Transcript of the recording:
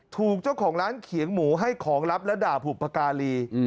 ถูกเจ้าของร้านเขียงหมูให้ของลับและด่าบุพการี